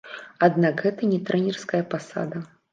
Аднак гэта не трэнерская пасада.